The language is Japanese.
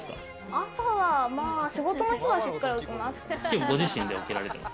朝は仕事の日はしっかり起きます。